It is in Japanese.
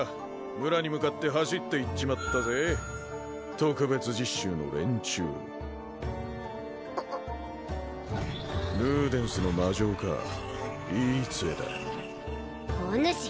村に向かって走って行っちまったぜ特別実習の連中ルーデンスの魔杖かいい杖だおぬし